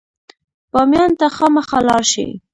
بامیان ته خامخا لاړ شئ.